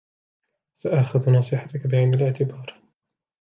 سآخذ نصيحتك بعين الاعتبار.